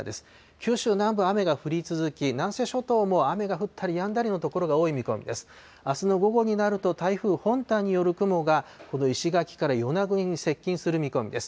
九州南部は雨が降り続き、南西諸島も雨が降ったりやんだりの所が多い見込みです。